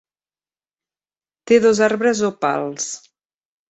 Té dos arbres o pals.